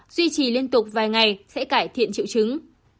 duy trì liên tục vài ngày sẽ cải thiện triệu chứng